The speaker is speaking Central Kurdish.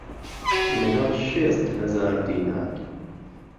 له گەڵ شێست ههزار دینار